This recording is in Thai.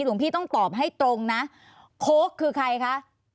หลวงพี่ต้องตอบให้ตรงนะโค้กคือใครคะ